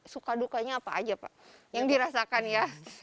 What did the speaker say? suka dukanya apa aja pak yang dirasakan ya